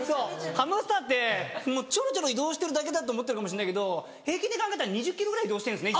ハムスターってちょろちょろ移動してるだけだと思ってるかもしんないけど平均で考えたら２０ｋｍぐらい移動してるんですね